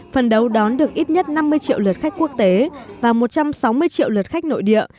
phần đấu đón được ít nhất năm mươi triệu lượt khách quốc tế và một trăm sáu mươi triệu lượt khách nội địa